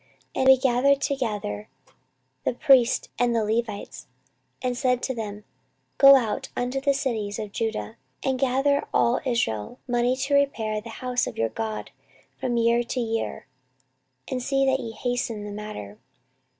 14:024:005 And he gathered together the priests and the Levites, and said to them, Go out unto the cities of Judah, and gather of all Israel money to repair the house of your God from year to year, and see that ye hasten the matter.